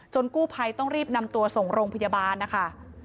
กู้ภัยต้องรีบนำตัวส่งโรงพยาบาลนะคะ